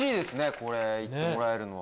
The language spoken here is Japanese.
これ言ってもらえるのは。